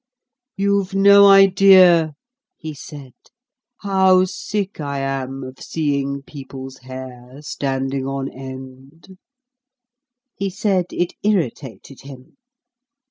You've no idea," he said, "how sick I am of seeing people's hair standing on end." He said it irritated him.